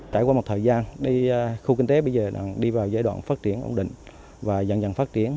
trải qua một thời gian đi khu kinh tế bây giờ đi vào giai đoạn phát triển ổn định và dần dần phát triển